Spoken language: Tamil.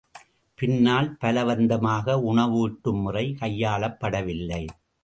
பின்னால் பலவந்தமாக உணவூட்டும் முறை கையாளப்படவில்லை.